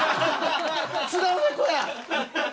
津田梅子や！